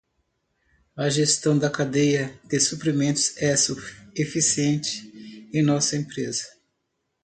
A gestão da cadeia de suprimentos é eficiente em nossa empresa.